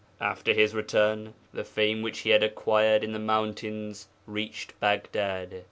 After his return the fame which he had acquired in the mountains reached Baghdad.